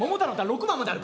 ６番まである？